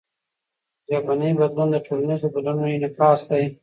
ژبنی بدلون د ټولنیزو بدلونونو انعکاس دئ.